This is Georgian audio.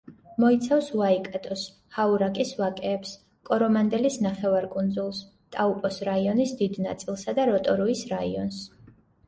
მოიცავს უაიკატოს, ჰაურაკის ვაკეებს, კორომანდელის ნახევარკუნძულს, ტაუპოს რაიონის დიდ ნაწილსა და როტორუის რაიონს.